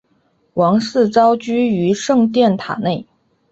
王室遭拘于圣殿塔内。